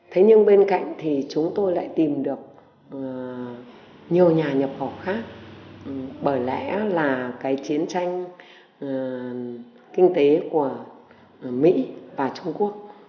thế nhưng bên cạnh thì chúng tôi lại tìm được nhiều nhà nhập khẩu khác bởi lẽ là cái chiến tranh kinh tế của mỹ và trung quốc